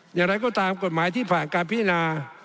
อย่างไรก็ตามกฎหมายที่ผ่านการพิจารณา